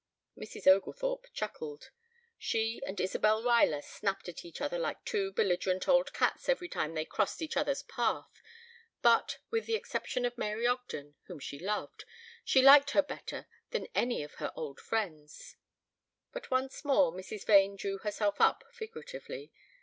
Mrs. Oglethorpe chuckled. She and Isabel Ruyler snapped at each other like two belligerent old cats every time they crossed each other's path, but, with the exception of Mary Ogden, whom she loved, she liked her better than any of her old friends. But once more Mrs. Vane drew herself up (figuratively).